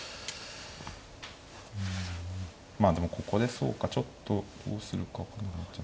まあでもここでそうかちょっとどうするか分かんなく。